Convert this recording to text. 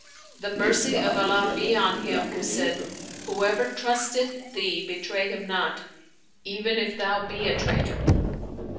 The mercy of Allah be on him who said : Whoever trusteth thee betray him not, e'en if thou be a traitor.